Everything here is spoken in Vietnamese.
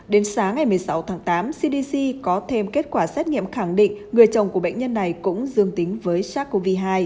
đến sáng ngày một mươi sáu tháng tám cdc có thêm kết quả xét nghiệm khẳng định người chồng của bệnh nhân này cũng dương tính với sars cov hai